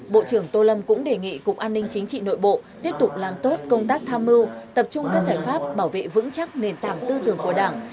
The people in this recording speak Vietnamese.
bộ trưởng tô lâm cũng đề nghị cục an ninh chính trị nội bộ tiếp tục làm tốt công tác tham mưu tập trung các giải pháp bảo vệ vững chắc nền tảng tư tưởng của đảng